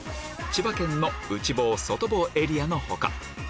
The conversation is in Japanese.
千葉県の内房外房エリアの他